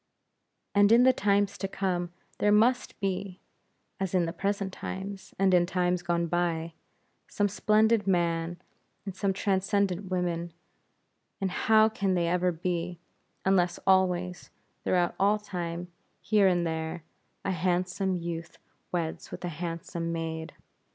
And in the times to come, there must be as in the present times, and in the times gone by some splendid men, and some transcendent women; and how can they ever be, unless always, throughout all time, here and there, a handsome youth weds with a handsome maid!